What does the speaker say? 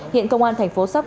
hiện công an tp sop